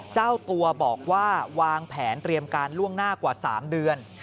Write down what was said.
เจ้าตัวบอกว่าวางแผนเตรียมการล่วงหน้ากว่า๓เดือน